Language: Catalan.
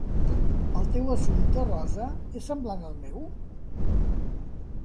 El teu assumpte, Rosa, és semblant al meu?